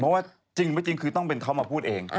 เพราะว่าจริงไม่จริงคือต้องเป็นเขามาพูดเอง